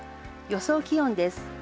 予想気温です。